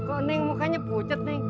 hah kok neng mukanya pucet neng